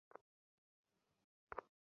ঐ যে মেয়েটি দেখিতেছ, উনি বড় সামান্য মেয়ে নন!